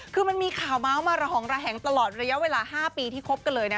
คือมันมีข่าวเมาส์มาระหองระแหงตลอดระยะเวลา๕ปีที่คบกันเลยนะ